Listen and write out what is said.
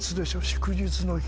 祝日の日。